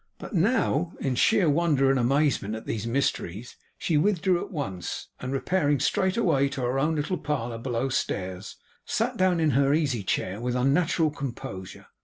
But now, in sheer wonder and amazement at these mysteries, she withdrew at once, and repairing straightway to her own little parlour below stairs, sat down in her easy chair with unnatural composure.